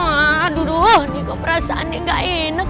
aduduh ini keperasaan gak enak